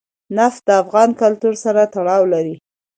نفت د افغان کلتور سره تړاو لري.